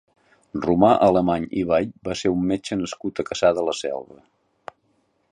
Romà Alemany i Vall va ser un metge nascut a Cassà de la Selva.